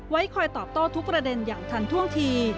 คอยตอบโต้ทุกประเด็นอย่างทันท่วงที